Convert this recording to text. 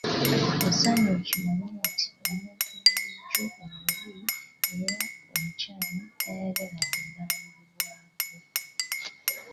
Osaanye okimanye nti omuntu bulijjo "omubi" era "omukyamu" tayagala kugambwako.